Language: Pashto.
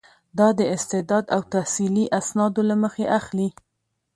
دا د استعداد او تحصیلي اسنادو له مخې اخلي.